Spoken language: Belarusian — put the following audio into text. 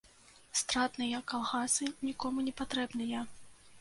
Стратныя калгасы нікому не патрэбныя.